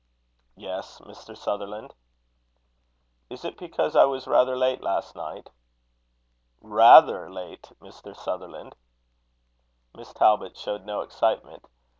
"Yes, Mr. Sutherland." "Is it because I was rather late last night." "Rather late, Mr. Sutherland?" Miss Talbot showed no excitement.